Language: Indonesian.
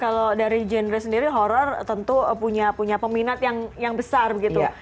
kalau dari genre sendiri horror tentu punya peminat yang besar begitu